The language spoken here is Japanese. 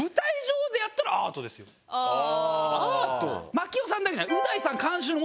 槙尾さんだけじゃない。